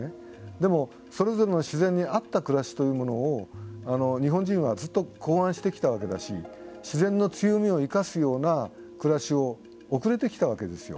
でも、それぞれの自然に合った暮らしというものを日本人はずっと考案してきたわけだし自然の強みを生かすような暮らしを送れてきたわけですよ。